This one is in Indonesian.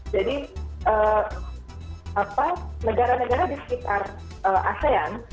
jadi negara negara di sekitar asean